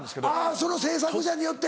その制作者によって。